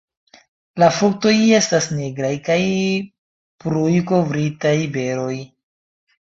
La fruktoj estas nigraj kaj prujkovritaj beroj.